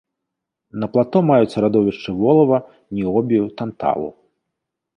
На плато маюцца радовішчы волава, ніобію, танталу.